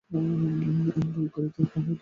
আইন প্রয়োগকারীদের মতো বলতে পারো।